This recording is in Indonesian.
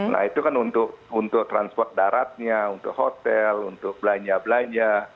nah itu kan untuk transport daratnya untuk hotel untuk belanja belanja